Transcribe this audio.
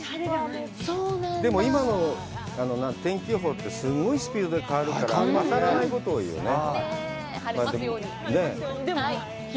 でも、今の天気予報って、すごいスピードで変わるから、当たらないことが多いよね。